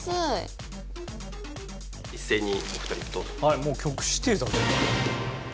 もう曲指定。